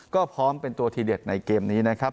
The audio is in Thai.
ก็พร้อมเป็นตัวทีเด็ดในเกมนี้นะครับ